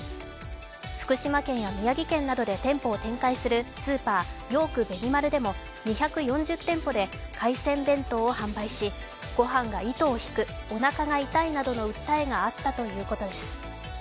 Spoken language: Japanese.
福島県や宮城県などで店舗を展開するスーパー、ヨークベニマルでも２４０店舗で海鮮弁当を販売しごはんが糸を引く、おなかが痛いなどの訴えがあったということです。